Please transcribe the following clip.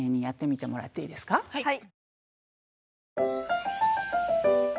はい！